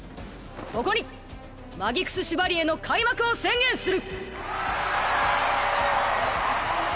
ここにマギクス・シュバリエの開幕を宣言する！